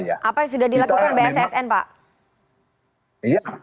apa yang sudah dilakukan bssn pak